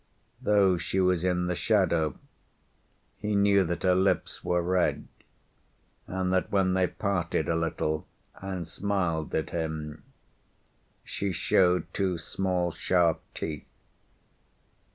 Though she was in the shadow he knew that her lips were red, and that when they parted a little and smiled at him she showed two small sharp teeth.